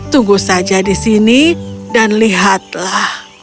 tunggu saja di sini dan lihatlah